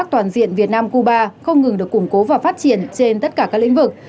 toàn diện việt nam cuba không ngừng được củng cố và phát triển trên tất cả các lĩnh vực